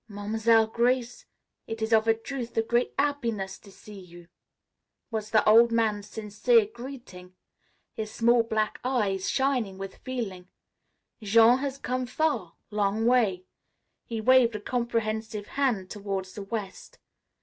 "Mam'selle Grace, it is of a truth the great 'appiness to see you," was the old man's sincere greeting, his small black eyes shining with feeling. "Jean has come far. Long way," he waved a comprehensive hand toward the west.